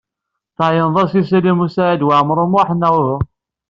Tɛeyyneḍ-as i Sliman U Saɛid Waɛmaṛ U Muḥ, neɣ uhu?